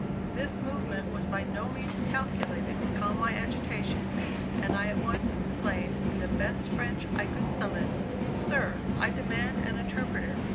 This movement was by no means calculated to calm my agitation, and I at once exclaimed, in the best French I could summon: "Sir, I demand an interpreter."